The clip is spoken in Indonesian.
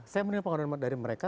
saya menilai pengadilan dari mereka